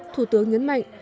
thủ tướng nhấn mạnh